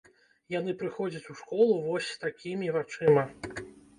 Яны прыходзяць у школу вось с такімі вачыма!